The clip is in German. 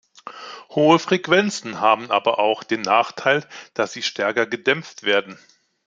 Hohe Frequenzen haben aber auch den Nachteil, dass sie stärker gedämpft werden.